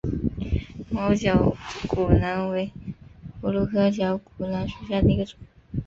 毛绞股蓝为葫芦科绞股蓝属下的一个种。